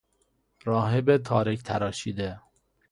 راهب تارک تراشیده